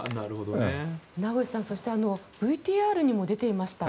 名越さん、ＶＴＲにも出ていました